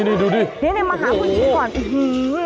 นี่ดูดินี่มาหาผู้หญิงก่อนอื้อหือ